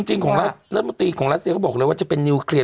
จริงอสมภาพของรัฐเซียเขาบอกเลยว่าจะเป็นนิวเคลียร์